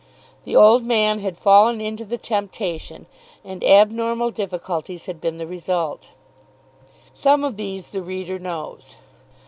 The old man had fallen into the temptation, and abnormal difficulties had been the result. Some of these the reader knows.